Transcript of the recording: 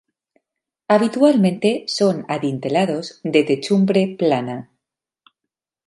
Habitualmente son adintelados, de techumbre plana.